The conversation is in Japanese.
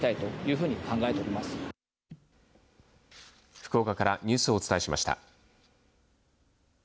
福岡からニュースをお伝えしました。